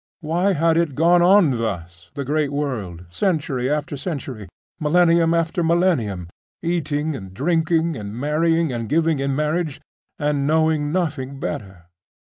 Why had it gone on thus, the great world, century after century, millennium after millennium, eating and drinking, and marrying and giving in marriage, and knowing nothing better....